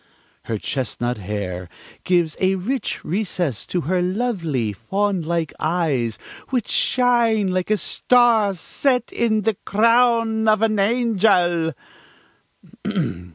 ... "Her chestnut hair gives a rich recess to her lovely, fawnlike eyes, which shine like a star set in the crown of an angel."